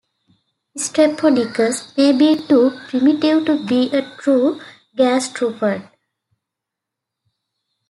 "Strepsodiscus" may be too primitive to be a true gastropod.